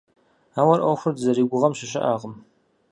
Ауэ ӏуэхур дызэригугъэм щыщыӏэкъым.